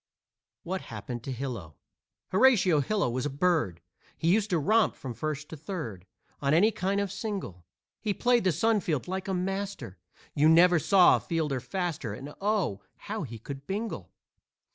WHAT HAPPENED TO HILO Horatio Hilo was a bird, He used to romp from first to third On any kind of single. He played the sun field like a master, You never saw a fielder faster, And oh, how he could bingle!